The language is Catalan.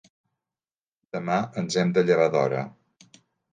Demà ens hem de llevar d'hora.